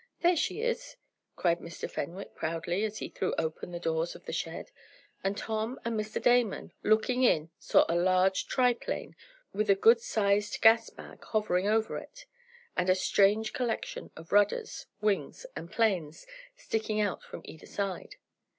There she is!" cried Mr. Fenwick proudly, as he threw open the doors of the shed, and Tom and Mr. Damon, looking in, saw a large triplane, with a good sized gas bag hovering over it, and a strange collection of rudders, wings and planes sticking out from either side.